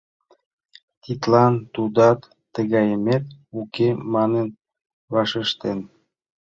Тидлан тудат тыгай эмет «уке» манын вашештен.